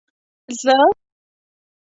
زه.